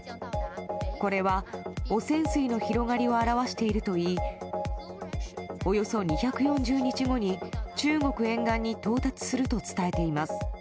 これは汚染水の広がりを表しているといい、およそ２４０日後に中国沿岸に到達すると伝えています。